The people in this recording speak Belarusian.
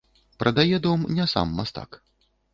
Прадае дом не сам мастак.